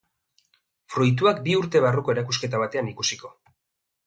Fruituak bi urte barruko erakusketa batean ikusiko.